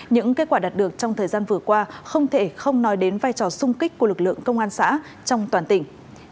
những kết quả đạt được trong thời gian vừa qua không thể không nói đến vai trò sung kích của lực lượng công an xã trong toàn tỉnh